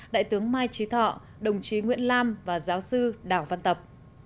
đại tướng mai trí thọ đồng chí nguyễn lam và giáo sư đảo văn tập